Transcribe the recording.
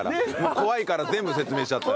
怖いから全部説明しちゃった。